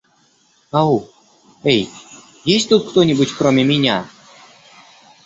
Ау? Эй, есть тут кто-нибудь, кроме меня?